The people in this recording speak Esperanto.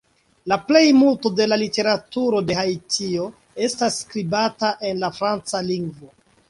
La plejmulto de la literaturo de Haitio estas skribata en la franca lingvo.